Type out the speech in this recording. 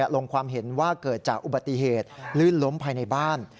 ลงความเห็นว่าเกิดจากอุบัติเหตุลื่นล้มภายในบ้าน